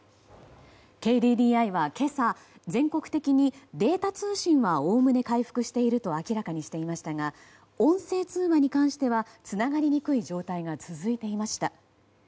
ＫＤＤＩは今朝全国的にデータ通信はおおむね回復していると明らかにしていましたが音声通話に関してはつながりにくい状態が続いていました。